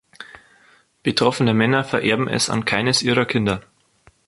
Betroffene Männer vererben es an keines ihrer Kinder.